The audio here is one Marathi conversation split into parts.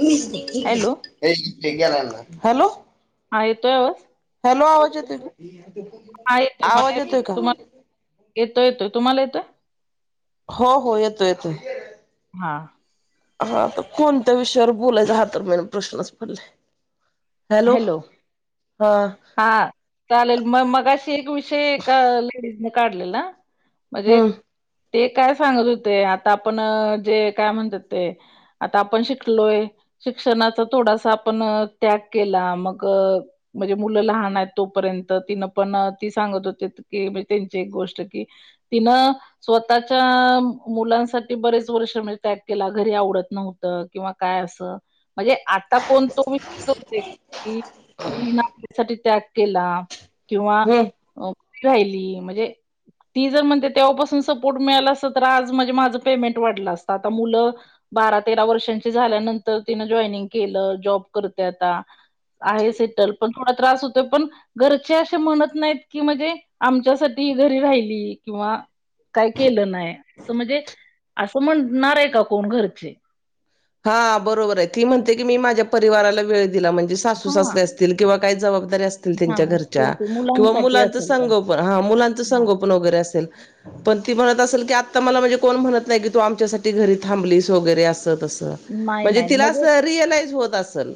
[unintelligible] Hello hello. हा येतो हॅलो आवाज येतोय का, आवाज येतोय का? येतो येतोय तुम्हाला येतोय. हो हो येतो येतोय. हा हा तर कोणत्या विषयावर बोलायच हा तर म प्रश्नच पडलाय. हॅलो हा चालेल मग, मगाशी एक विषय एका लेडीजने काढले ना म्हणजे, हम्म ते काय सांगत होते आता आपण जे काय म्हणतात ते, आता आपण शिकलोय शिक्षणाचा थोडासा आपण त्या- केला मग, म्हणजे मुलं लहान आहेत तोपर्यंत तिनं पण ती सांगत होते कीणजे त्यांची एक गोष्ट की, तीनं स्वतःच्या मुलांसाठी बरेच वर्ष म्हणजे त्याग केला घरी आवडत नव्हत. किंवा काय असं म्हणजे आता कोण तुम्ही टॅग केला किंवा हम्म राहिली म्हणजे. ती जर म्हणते तेव्हापासून सपोर्ट मिळाला असं तर आज म्हणजे माझं पेमेंट वाढलं असतं आता मुलं बारा तेरा वर्षांची झाल्यानंतर तिन जॉइनिंग केलं जॉब करते आता, आहे सिटल पण थोडा त्रास होतो पण, घरचे असे म्हणत नाहीत की म्हणजे आमच्यासाठी घरी राहिली किंवा काय केलं नाह म्हणजे असं म्हणणार आहे का कोण घरचे. हा बरोबर आहे ती म्हणते की मी माझ्या परिवाराला वेळ दिला म्हणजे सासू हा सासरे असते. किंवा काही जबाबदारी अस- हा त्यांच्या घरच्या असतील ते किंवा मुलांसाठी मुलांच असेल पण संगोपन हा मुलांच हा संगोपन वगैरे असेल. पण ती म्हणत असेल की आता मला म्हणजे कोण म्हणत नाही की तू आमच्यासाठी घरी थांबलीस वगैरे अस नाही म्हणजे नाही तिला अस रिअलाइज होत असेल.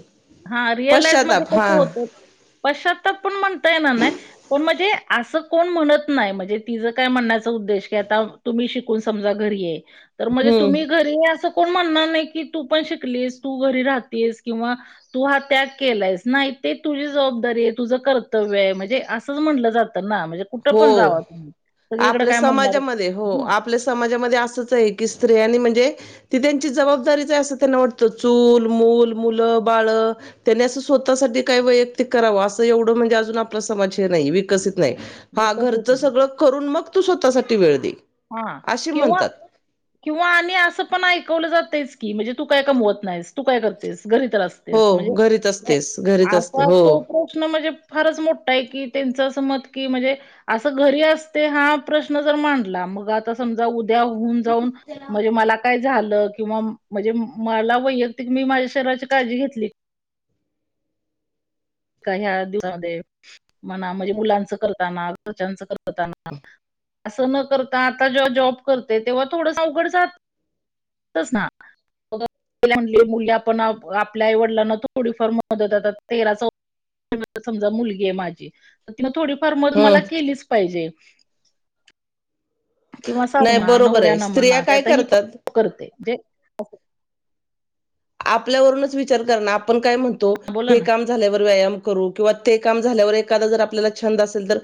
हा रिअलाईज मध्ये पश्चाताप हा कसं होत पश्चात्ताप पण म्हणता ये ना नाही. पण म्हणजे असं कोण म्हणत नाही म्हणजे काय म्हणण्याचा उद्देश की आता, तुम्ही शिकून समजा घरी ये. तर म्हणजे हम्म तुम्ही घरी असं कोण म्हणणार नाही की तू पण शिकलीस तू घरी राहतेस किंवा तू हा त्याग केलायस नाही ते तुझी जबाबदारी आहे तुझं कर्तव्य आहे म्हणजे असंच म्हटलं जातं ना म्हणजे कुठं पण हो जावा तुम्ही. सगळीकडे आपल्या काय म्हणणार? समाजामध्ये हो. हां, आपल्या समाजामध्ये असंच आहे की स्त्रियांनी म्हणजे ती त्यांची जबाबदारी च असं त्यांना वाटतं चूल मुल मुलं बाळ त्यांनी असं स्वतःसाठी काय वैयक्तिक करावं असं एवढं म्हणजे अजून आपला समाज हे नाही विकसित नाही. हां. हा विकसित घरचं नाही. सगळं करून मग तू स्वतःसाठी वेळ देई हा किंवा किंवा आणि असं पण ऐकवलं जातंच की म्हणजे तू काय कामवत नाहीस तू काय करतेस घरी तर असते. हो म्हणजे घरीच असतेस घरीच असते असा हो तो- प्रश्न न म्हणजे फारच मोठा आहे की त्यांच असं मत की म्हणजे असं घरी असते हा प्रश्न जर मांडला मग आता समजा उद्या होऊन जाऊन, म्हणजे मला काय झालं किंवा म्हणजे मला वैयक्तिक मी माझ्या शरीराची काळजी घेतली. का ह्या दिवसामध्ये म्हणा म्हणजे मुलांच करताना घरच्यांचं करताना, असं न करता आता जेव्हा जॉब करते तेव्हा थोडंस अवघड जातं. तसा. मुली आपण आपल्या आई वडलांना थोडीफार मदत तेरा [inaudible] आता समजा मुलगी आहे माझी, तीला तिनं थोडीफार मदत मला हम्म केलीच पाहिजे. किंवा नाही सजमा बरोबर आहे नवऱ्यानं स्त्रिया म्हणा काय आता ही पक, करतात पक करते. असं. आपल्यावरूनच विचार कर ना. आपण काय म्हणतो हा, बोला हे ना काम झाल्यावर व्यायाम करू किंवा ते काम झाल्यावर एखादा जर आपल्याला छंद असेल तर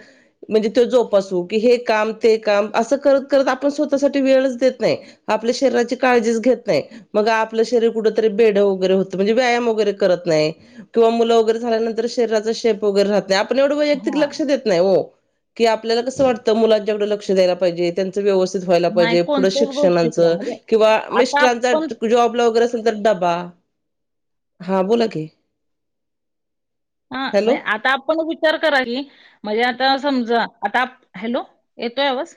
म्हणजे तो जोपासू की हे काम ते काम असं करत करत आपण स्वतःसाठी वेळच देत ना आपल्या शरीराची काळजीच घेत नाही मग आपलं [unintelligible] कुठेतरी बेढं वगैरे होतं मजी व्यायाम वगैरे करत नाही. किंवा मुलं वगैरे झाल्यानंतर शरीराचा शेप [unintelligible] आपलं एवढं वैयक्तिक हा लक्ष देत नाही वो, की आपल्याला कसं वाटतं मुलांच्याकडं लक्ष द्यायला पाहिजे. त्यांच व्यवस्थित व्हायलाजे नाही पायजे पुढे कोणत्याच गोष्टीकडे शिक्षणाचं म्हणजे किंवा आता मिस्टरांच आपण जाॅबला वरच [unintelligible] डबा. हां बोला की. अ हॅलो म्हणजे आता आपण पु तर कराय इल म्हजे आता समजा आता हॅलो, येतोय आवाज?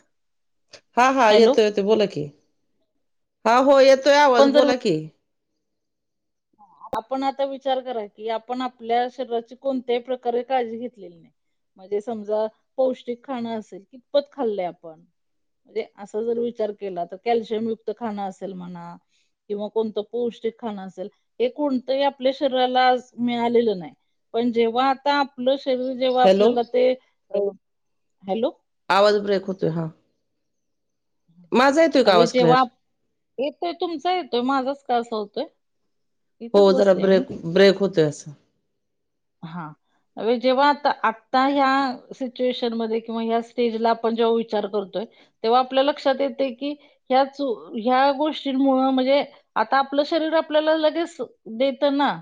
हा, हा हॅलो येतोय, येतोय बोला की. हा हो येतोय आवाज आपण जर बोला की. आपण आता विचार करा की आपण आपल्या शरीराची कोणत्याही प्रकारे काळजी घेतली की नाय? म्हणजे समजा पौष्टिक खाणं असेल कितपत खाल्लं आपण. म्हणजे असा जर विचार केला तर कॅल्शियम खाणं असेल म्हणा किंवा कोणतं पौष्टिक खाणं असेल हे कोणतंही आपल्या शरीराला मिळालेलं नाय, पण जेंव्हा आता आपलं शरीर जेंव्हा हॅलो आपल्याला ते अ हॅलो. आवाज ब्रेक होतोय बग. का आवाज क्लिअर [unintelligible] येतोय तुमचा येतोय माझाच का असा होतोय? हो, इथंच जरा बसले मी. ब्रेक, ब्रेक होतोय असा. हां, जेंव्हा आता आत्ता हया सिच्युएशन मध्ये किंवा या स्टेजला आपण जेंव्हा विचार करतोय तेंव्हा आपल्या लक्षात येते कि ह्याच ह्या गोष्टींमुळं म्हजे आता आपलं शरीर आपल्याला लगेच देतं ना.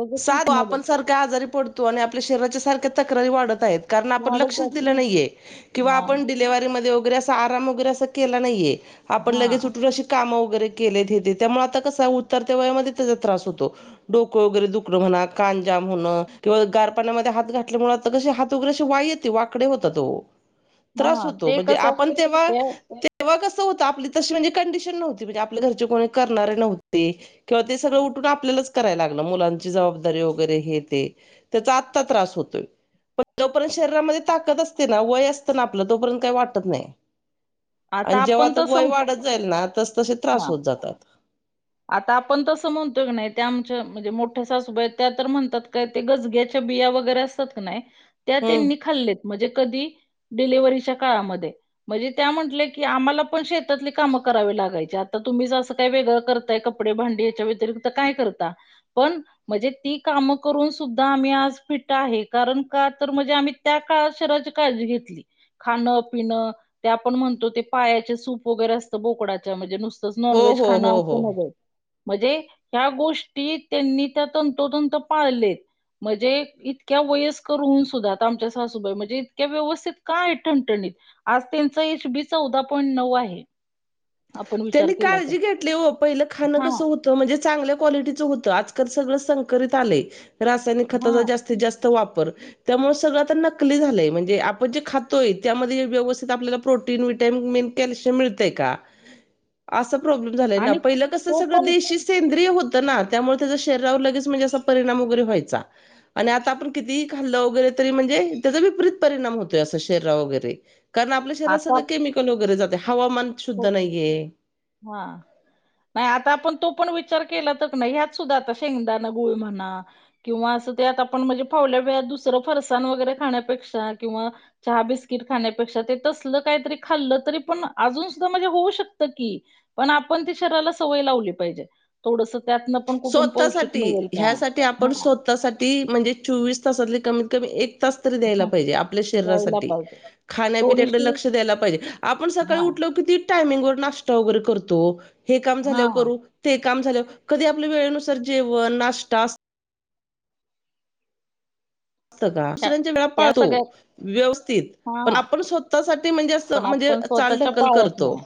लगेच साध सुटणार आहे. आपण सारख्या आजारी पडतो आणि आपल्या शरीराच्या सारख्या तक्रारी वाढत आहेत. कारण आपण वाढत लक्षच जाते. दिलं नाहीये किंवा नाही, आपण नाही. डिलेवारी मध्ये वगैरे असं आराम वगैरे असं केला नाहीये. आपण लगेच हां, उठून अशी काम वगैरे केलेत हे ते. त्यामुळे आता कसं उतरत्या वयामध्ये त्याचा त्रास होतो डोकं वगैरे दु कड म्हणा कांजाम म्हण किंवा गार पाण्यामध्ये हात घातल्यामुळे आता कसे हात वगैरे असे वाय येते वाकडे होतात वो. त्रास हां. होतो ते म्हणजे कसं आहे, आपण तेंव्हा ते तेव्हा कसं होतं आपली तशी म्हणजे कंडिशन नव्हती म्हणजे आपल्या घरचे कोणी करणारे नव्हते. किंवा ते सगळं उठून आपल्यालाच कराय लागलं मुलांच. जबाबदारी वगैरे हे ते त्याचा आता त्रास होतोय. पण जोपर्यंत शरीरामध्ये ताकद असते ना वय असतं ना आपलं तोपर्यंत काही वाटत नाही. आणि जेंव्हा आपण आता वय तसं वाढत जाईल ना तस तसे त्रास हां. होत जातात. आता आपण तसं म्हणतोय की नाही त्या आमच्या मजी मोठ्या सासु आहेत त्या तर म्हणतात काय? गजगेयाच्या बिया वगैरे असतात का नाय त्या हम्म त्यांनी खाल्लेत म्हजे कधी डीलेवारीच्या काळामध्ये. म्हजी त्या म्हटलं की आम्हाला पण शेतातली कामं करावे लागायचे आता तुम्हीच असं काही वेगळं कर कपडे भांडी याच्या व्यतिरिक्त काय करता पण म्हजे ती कामं करून सुद्धा आम्ही आज फिट आहे कारण का तर म्हणजे आम्ही त्या काळात शरिराची काळजी घेतली. खाणं पिणं ते आपण म्हणतो ते पायाचे सूप वगैरे असतं बोकडाच्या म्हणजे नुस तस नॉन हो वेज हो खाणा हो हो म्हणजे ह्या गोष्टी त्यांनी त्या तंतोतंत पाळलेत म्हणजे इतक्या वयस्कर होऊन सुद्धा आता आमच्या सासूबाई, म्हणजे इतक्या व्यवस्थित काय ठणठणीत. आज त्यांचा एच बी चौदा पॉईंट नऊ आहे. आपण विचार त्यांनी केला तर काळजी घेतली ओ पहिले खाणं हा कसं हो तं, म्हणजे चांगल्या क्वालिटीचं होतं, आजकाल सगळं संकरित आलेयं रासायनिक हा खताच जास्तीत- जास्त त वापर त्यामुळे सगळं आता नकली झालंय म्हणजे आपण जे खातोय, त्यामध्ये व्यवस्थित आपल्याला प्रोटीन- विटॅमिन कॅल्शियम मिळतंय का? आसा प्रॉब्लेम झालाय ना आणि पहिलं कसं तो सगळं पण देशी सेंद्रिय होतं ना त्यामुळे त्याचा शरीरावर लगेच म्हणजे असा परिणाम वगैरे व्हायचा, आणि आता आपण कितीही खाल्लं वगैरे तरी म्हणजे त्याचा विपरीत परिणाम होतोय, असं शरीरावर वगैरे. कारण आपल्या शरीरात आता सगळं केमिकल वगैरे जातेय, हवामान शुद्ध नाहीये. हा. नाही आता आपण तो पण विचार केला, तर नाही ह्यात सुद्धा आता शेंगदाणं गुळ म्हणा किंवा असं ते आता आपण म्हणजे फवल्या वेळात दुसरं फरसाण वगैरे खाण्यापेक्षा किंवा चहा बिस्किट खाण्यापेक्षा, ते तसलं काहीतरी खाल्लं तरी पण अजून तसं म्हणजे होऊ शकतं की, पण आपण ती शरीराला सवय लावली पाहिजे. थोडस त्यातनं पण कुठून पौष्टिक स्वतःसाठी मिळेल का? हा. ती म्हणजे चोवीस तासातली कमीत- कमी एक तास तरी द्यायला हा पाहिजे आपल्या द्यायला शरीरासाठी. पाहिजे खाण्या-पिण्यात पण थोडीशी लक्ष द्यायला पाहिजे, आपण सकाळी हा उठलो किती टायमिंग वर नाष्टा वैगेरे करतो, हे काम हा झाल्यावर करू ते काम झाल्यावर आपल्या वेळेनुसार जेवणं नाष्टा अस असतं का? ह्या सर्वाच्या वेळा ह्या पाळतो. सगळ्यात व्यवस्थित हा पण आपण स्वतःसाठी म्हणजे, असं पण म्हणजे आपण स्वतःच्या चालढकलं पायात करतो. नाही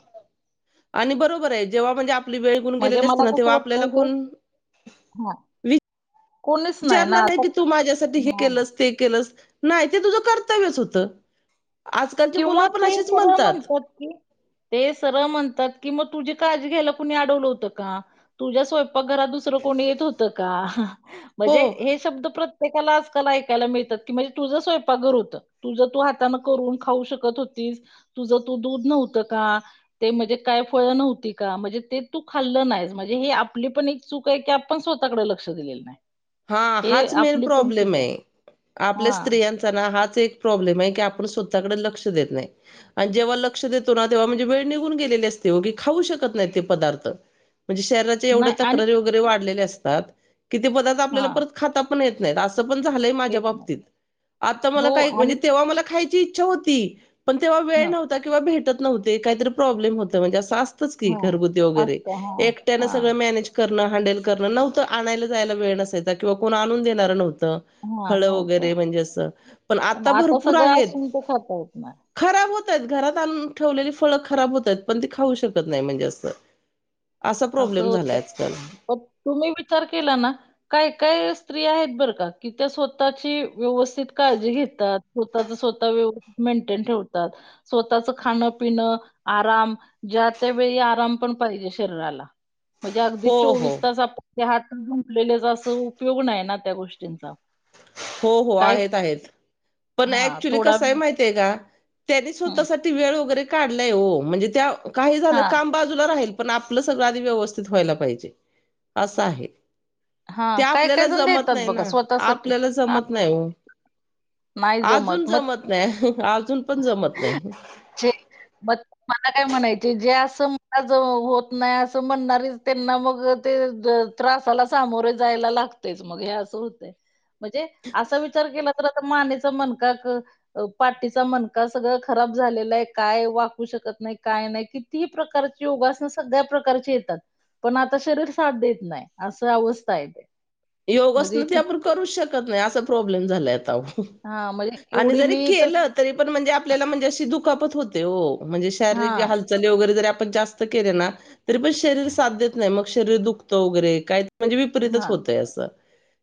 आणि बरोबर आहे जेव्हा म्हणजे आपली वेळं निघुन म्हणजे गेलेली असते मला ना, कसं तेव्हा आपल्याला वाटतं हे कोण हा, विच कोणीच ना विचारणार नाही आता की तू माझ्यासाठी हे नाही ना. केलंस ते केलंस, नाही ते तुझं कर्तव्यचं होतं, आजकालची मुलं किंवा पण ते अशीच सरळ म्हणतात. ते सरळं म्हणतात की मग तुझी काळजी घ्यायला कुणी अडवलं होतं का? तुझ्या स्वयंपाकघरात दुसरं कोणी येत होतं का? हो म्हणजे हे शब्द प्रत प्रत्येकाला आजकाल ऐकायला मिळतात, की म्हणजे तुझं स्वयंपाकघर होतं तुझं तू हातांन करून खाऊ शकतं होतीस तुझं तू, दूध नव्हतं का? ते म्हणजे काय फळं नव्हती का? म्हणजे ते तू खाल्लं नाहीस म्हणजे हे आपली पण चूक आहे की आपण स्वतःकडे लक्ष दिलेलं नाही. हा हे हाच मेन आपली पण प्रॉब्लेम चूक आहे. ये, आपल्या हां. स्त्रियांचा हाच एक प्रॉब्लेम आहे की, आपण स्वतःकडे लक्ष देत नाही. आणि जेव्हा लक्ष देतो ना तेव्हा म्हणजे वेळ निघून गेलेले असते, ओ की खाऊ शकत नाही ते पदार्थ. म्हणजे शरीराच्या एवढे नाही आणि तक्रारी वगैरे वाढलेल्या असतात, कि ते पदार्थ आपल्याला हां. परत खाता येत नाही असं पण झालंय माझ्या तेच ना बाबतीत, आत्ता हो मला काय, म्हणजे आणि तेव्हा मला खायची इच्छा होती, पण तेव्हा वेळं हां नव्हंता किंवा भेटतं नव्हते काहीतरी प्रॉब्लेम होता म्हणजे आसं आस तच की, हां घरगुती वैगेरे असतं हां एकट्यानं हां सगळं मॅनेज करणं, हँडल करणं नव्हतं आणायला जायला वेळं नसायचा किंवा कोण आणून देणारं नव्हतं. हां फळं वगैरे नव्हतं म्हणजे असं पण आत्ता आता भरपूर सगळं आहेत, असून ते खाता येत नाही खराब होता आहेत, घरात आणून ठेवलेली फळं खराब होता आहेत, पण तेी खाऊ शकत नाही म्हणजे असं असा प्रॉब्लेम झालायं आजकाल. प तुम्ही विचार केला ना? काही काही स्त्रीया आहेत बरं का त्या स्वतःची व्यवस्थित काळजी घेतात. स्वतःच स्वतः व्यवस्थित मेंटेन ठेवतात. स्वतःच खाणं पिणं, आराम. ज्या त्या वेळी आराम पण पाहिजे शरीराला म्हणजे अगदी हो हो चोवीस तास आपण ते हात जुंपलेले असा उपयोग नाही ना त्या गोष्टींचा. हो हो काय आहेत, आहेत. पण हा ऍक्च्युली थोडा कसय माहितीये का त्यानी वेळ स्वतःसाठी ती वेळ वगैरे काढलाय हो म्हणजे त्या काही हा झालं काम बाजूला राहील पण आपलं सगळं आधी व्यवस्थित व्हायला पाहिजे असं आहे. हा ते काय काय आपल्याला जण जमत देतात नाही बघा ना. स्वतःसाठी आपल्याला. हा नाही आजून मग जमत नाही, आजून पण जमत नाही. छी पत्. मला काय म्हणायचे, जे असं मलाज होत नाही असं म्हणणारीच त्यांना मग ते ज त्रासाला सामोरे जायला लागतेयच, मग हे असं होतेय म्हणजे असा विचार केला तर त मानेच मणका क. अ पाठीचा मणका सगळं खराब झालेला आहे. काय वाकू शकत नाही काय नाही कि तीन प्रकारची योगासन, सगळ्या प्रकारची येतात. पण आता शरीर साथ देत नाही असं अवस्था आहे ते. म्हणजे योगासन ते कि आपण करूच शकत नाही असा प्रॉब्लेम झालाय आता आहो. हां, म्हणजे आणि एवढी जरी मी तर केलत तरी पण म्हणजे आपल्याला म्हणजे अशी दुखापत होते हो म्हणजे शारीरिक हां, हालचाल चणे वगैरे जरी आपण जास्त केले ना तरी पण साथ देत नाही शरीर दुखतं वगैरे काय? म्हणजे विपरीतच हां, होतय असं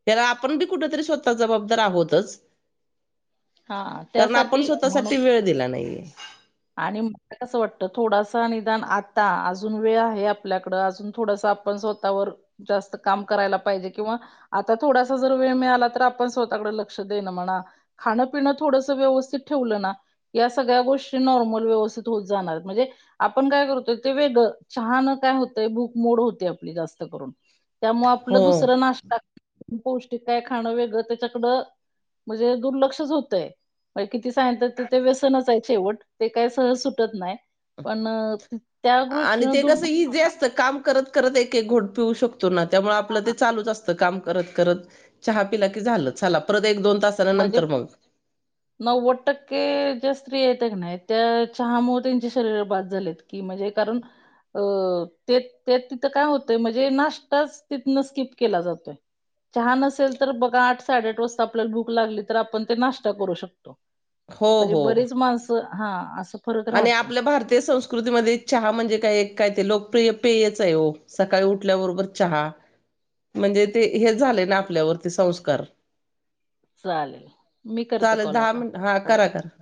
त्याला आपण बी कुठरी स्वतः जबाबदार आहोतच हां. कारण आपण त्यासाठी म्हणून स्वतःसाठी वेळ दिला नाहीये आणि कसं वाटतं थोडासा निदान आता अजून वेळ आहे आपल्याकडं अजून थोडासा आपण स्वतःवर. जास्त काम करायला पाहिजे. किंवा आता थोडासा जर वेळ मिळाला तर आपण स्वतःकडे लक्ष देण म्हणा. खाणं पिण थोडसं व्यवस्थित ठेवलं ना, या सगळ्या गोष्ट ते नॉर्मल व्यवस्थित होऊन जाणार म्हणजे आपण काय करतोय? ते वेगळं चहान काय होतंय, भूक मोड होते आपली जास्त करून. त्यामुळं हो आपलं दुसर नाश्ता पौष्टिक काय खाणं वेगळं त्याच्याकडं. म्हणजे दुर्लक्षच होतय, बाई किती सागितलं तरी ते व्यसनच आहे शेवट. ते काय सहज सुटत नाही पण त्या गोष्टीनं दूर तर काम करत करत एक एक घोट पिऊ शकतो ना? त्यामुळे आपलं ते हां. चालूच असतं काम करत. करत. चहा पिला की झालं. चला परत एक-दोन तास. माजब. [inaudible] नव्वद टक्के ज्या स्त्री येते की नाही, त्या चहामुळे त्यांचे शरीर बाद झालेत. की मजे करून अ ते त्यात तिथं काय होतंय, म्हणजे नाश्ताच तिथन स्किप केला जातोय. चहा नसेल तर बघा आठ साडेआठ वाजता आपल्याला भुक लागली तर आपण तर नाश्ता करू शकतो हो म्हणजे हो बरीच माणसं हां आस आणि आपल्या भारतीय संस्कृतीमध्ये चहा म्हणजे काय एक काय ते लोकप्रिय पेयच आहे हो. सकाळी उठल्याबरोबर चहा. म्हणजे ते हेच झाले ना आपल्यावरती संस्कार. चालेल. मी करते चालंल कॉल दहा आता. मिनटं हा हो. करा कर.